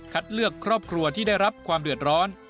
เลือกครอบครัวที่ได้รับความเดือดร้อน